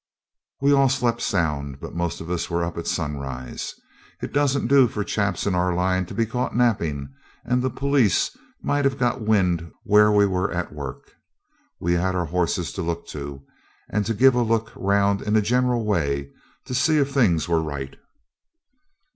We all slept sound, but most of us were up at sunrise. It doesn't do for chaps in our line to be caught napping, and the police might have got wind where we were at work. We had our horses to look to, and to give a look round in a general way to see if things were right.